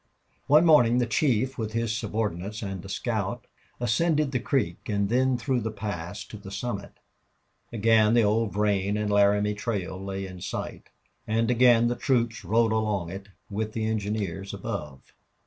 One morning the chief, with his subordinates and a scout, ascended the creek and then through the pass to the summit. Again the old St. Vrain and Laramie Trail lay in sight. And again the troops rode along it, with the engineers above.